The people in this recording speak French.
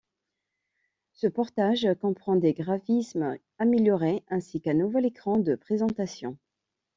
Ce portage comprend des graphismes améliorés ainsi qu'un nouvel écran de présentation.